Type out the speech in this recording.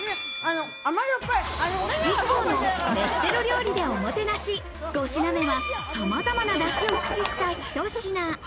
ＩＫＫＯの飯テロ料理でおもてなし、５品目はさまざまなだしを駆使したひと品。